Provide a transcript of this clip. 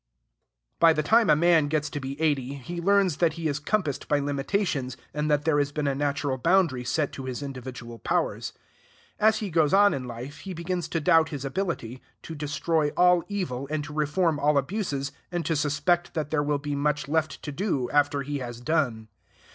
By the time a man gets to be eighty, he learns that he is compassed by limitations, and that there has been a natural boundary set to his individual powers. As he goes on in life, he begins to doubt his ability to destroy all evil and to reform all abuses, and to suspect that there will be much left to do after he has done.